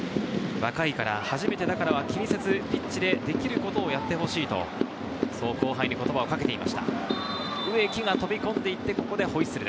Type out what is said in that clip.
若いから、初めてだからは気にせず、ピッチでできることをやってほしいと後輩に言葉をかけていました。